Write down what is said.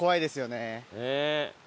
ねえ。